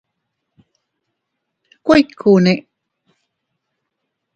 ¿Kuikune?